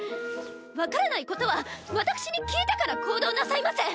分からないことは私に聞いてから行動なさいませ！